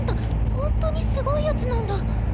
ほんとにすごい奴なんだ。